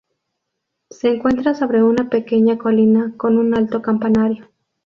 Se encuentra sobre una pequeña colina con un alto campanario.